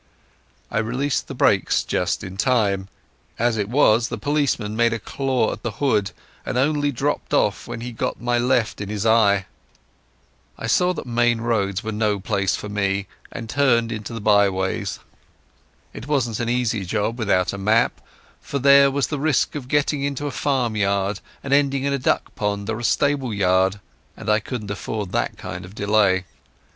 I released the brakes just in time. As it was, the policeman made a claw at the hood, and only dropped off when he got my left in his eye. I saw that main roads were no place for me, and turned into the byways. It wasn't an easy job without a map, for there was the risk of getting on to a farm road and ending in a duck pond or a stable yard, and I couldn't afford that kind of delay.